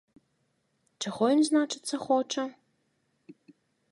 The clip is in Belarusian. Чаго ён, значыцца, хоча?